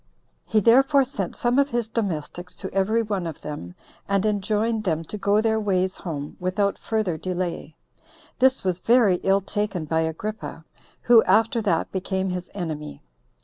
He therefore sent some of his domestics to every one of them, and enjoined them to go their ways home without further delay. This was very ill taken by Agrippa, who after that became his enemy.